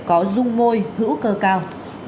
có rung môi hữu cơ cao